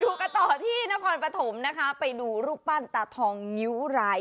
กันต่อที่นครปฐมนะคะไปดูรูปปั้นตาทองงิ้วราย